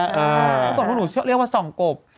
ต้องขึ้นหนูเรียกว่าสองกบ